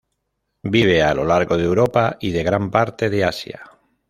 Vive a lo largo de Europa y de gran parte de Asia.